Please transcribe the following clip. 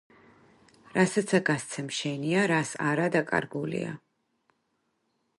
რასაცა გასცემ შენია, რას არა დაკარგულია